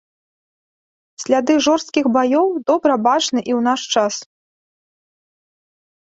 Сляды жорсткіх баёў добра бачны і ў наш час.